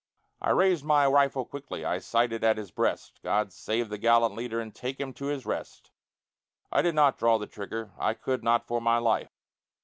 I raised my rifle quickly, I sighted at his breast, God save the gallant leader And take him to his rest! I did not draw the trigger, I could not for my life.